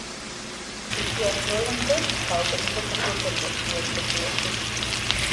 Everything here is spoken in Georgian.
ქრისტიანო როალდო საუკეთესო ფეხბურთელია მთლიან მსოფლიოში